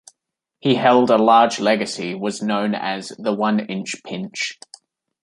He held a large legacy was known as "The One Inch Pinch".